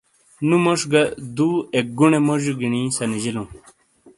نو موج گا دو اک گونے موجی گینی سنیجیلوں